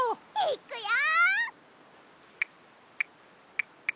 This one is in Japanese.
いっくよ！